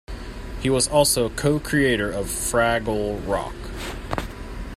He was also co-creator of "Fraggle Rock".